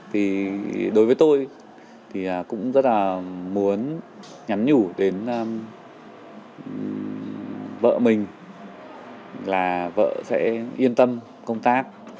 thì đối với tôi thì cũng rất là muốn nhắn nhủ đến vợ mình là vợ sẽ yên tâm công tác